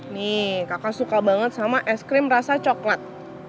nih kakak suka banget sama ice cream rasa coklat